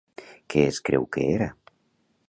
Què es creu que era?